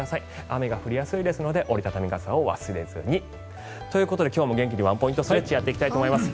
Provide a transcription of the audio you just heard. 雨が降りやすいですので折り畳み傘を忘れずに。ということで今日も元気にワンポイントストレッチをやっていきたいと思います。